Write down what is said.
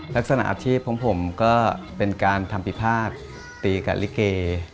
ลักษณะอาชีพของผมก็เป็นการทำพิพาทตีกับลิเก